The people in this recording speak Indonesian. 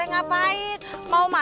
nggak ada buktinya nyomut